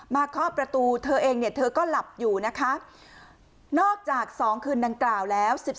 เคาะประตูเธอเองเนี่ยเธอก็หลับอยู่นะคะนอกจาก๒คืนดังกล่าวแล้ว